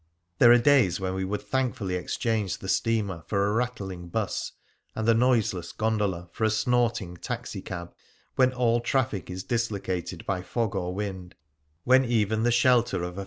There are days when we would thankfully exchange the steamer for a rattling bus, and the noiseless gondola for a snorting taxi cab ; when all traffic is dislocated by fog or wind ; when even the shelter of &.